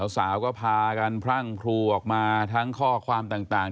สาวก็พากันพรั่งครูออกมาทั้งข้อความต่าง